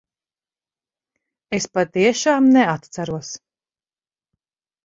Es patiešām neatceros.